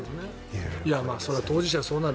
それは当事者はそうなる。